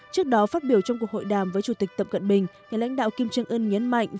trước đó phát biểu trong cuộc hội đàm với chủ tịch tập cận bình nhà lãnh đạo kim trương ưn nhấn mạnh